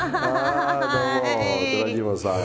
どうも寺島さん。